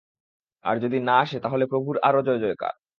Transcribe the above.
আর যদি না আসে, তাহলে প্রভুর আরও জয়জয়কার।